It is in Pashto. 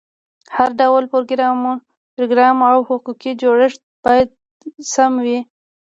هر ډول پروګرام او حقوقي جوړښت باید سم وي.